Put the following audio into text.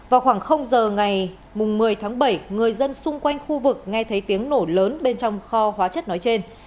vào khoảng giờ ngày một mươi tháng bảy người dân xung quanh khu vực nghe thấy tiếng nổ lớn bên trong kho hóa chất nói trên